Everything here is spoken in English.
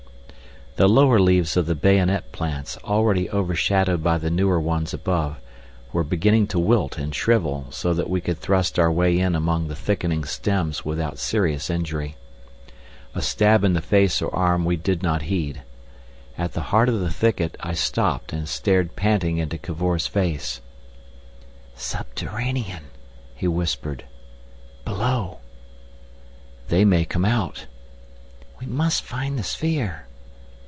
The lower leaves of the bayonet plants, already overshadowed by the newer ones above, were beginning to wilt and shrivel so that we could thrust our way in among the thickening stems without serious injury. A stab in the face or arm we did not heed. At the heart of the thicket I stopped, and stared panting into Cavor's face. "Subterranean," he whispered. "Below." "They may come out." "We must find the sphere!"